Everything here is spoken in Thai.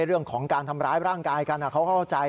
เรื่องของการทำร้ายร่างกายกันเขาเข้าใจ